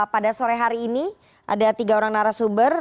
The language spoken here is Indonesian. pada sore hari ini ada tiga orang narasumber